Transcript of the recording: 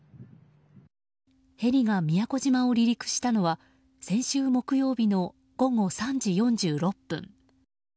ヘリが宮古島を離陸したのは先週木曜日の午後３時４６分。